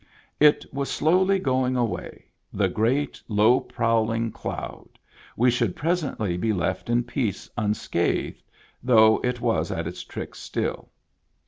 It was slowly going away, — the great low prowling cloud, — we should presently be left in peace unscathed, though it was at its tricks still.